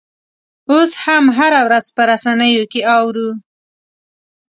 اوس هم هره ورځ په رسنیو کې اورو.